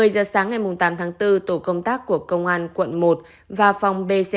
một mươi giờ sáng ngày tám tháng bốn tổ công tác của công an quận một và phòng bc